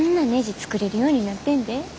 作れるようになってんで。